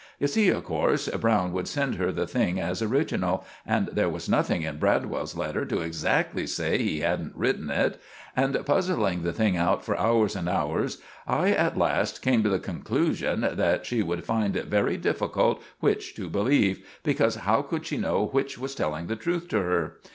You see, of corse, Browne would send her the thing as original, and there was nothing in Bradwell's letter to exsaxtly say he hadn't written it; and puzzling the thing out for hours and hours, I at last came to the conklusion that she would find it very difficult which to believe, because how could she know which was telling the truth to her?